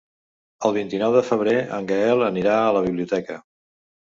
El vint-i-nou de febrer en Gaël anirà a la biblioteca.